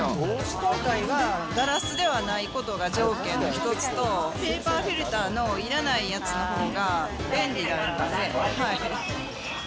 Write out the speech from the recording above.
今回はガラスではないことが条件の１つと、ペーパーフィルターのいらないやつのほうが便利なんでね。